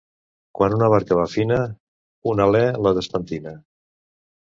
Quan una barca va fina, un alè la despentina.